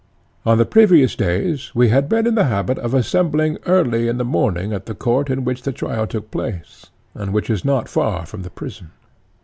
On the previous days we had been in the habit of assembling early in the morning at the court in which the trial took place, and which is not far from the prison.